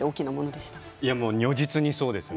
如実にそうですね。